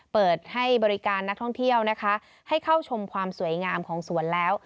เปิดให้บริการนักท่องเที่ยวนะคะให้เข้าชมความสวยงามของสวนแล้ว